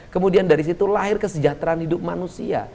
kemudian dari situ lahir kesejahteraan hidup manusia